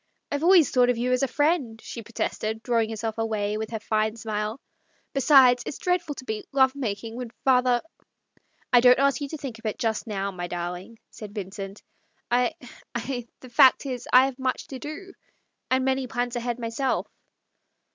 I've always thought of you as a friend," she protested, drawing herself away with her fine smile. "Besides, it's dreadful to be — love making — when father "" I don't ask you to think of it just now, my darling," said Vincent. " I — I — the fact is, I have much to do and many plans ahead myself.